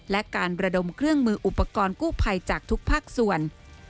และการระดมเครื่องมืออุปกรณ์กู้ภัยจากทุกภาคส่วน